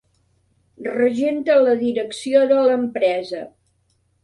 Regenta la direcció de l'empresa.